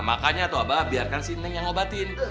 makanya tuh apa biarkan si neng yang ngobatin